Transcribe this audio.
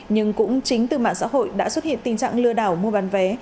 nhưng cũng chính từ mạng xã hội đã xuất hiện tình trạng lừa đảo mua bán vé